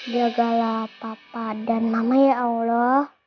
jagalah papa dan mama ya allah